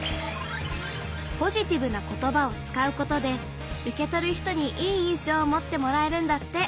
ポジティブなことばを使うことで受け取る人にいい印象を持ってもらえるんだって。